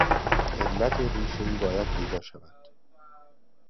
علت ریشه ای باید پیدا شود.